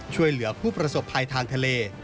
ช่วยเหลือผู้ประสบภัยทางทะเล